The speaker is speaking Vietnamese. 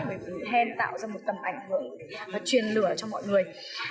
bởi vì hen tạo ra một tầm ảnh hưởng và truyền lửa cho mọi người